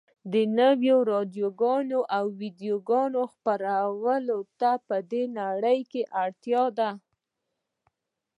نویو راډیویي او ويډیویي خپرونو ته په دې نړۍ کې اړتیا ده